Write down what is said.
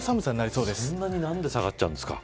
そんなに、なんで下がっちゃうんですか。